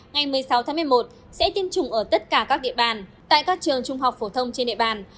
ngày một mươi sáu tháng một mươi một sẽ tiêm chủng ở tất cả các địa bàn tại các trường trung học phổ thông trên địa bàn